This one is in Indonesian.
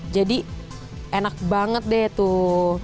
jadi enak banget deh tuh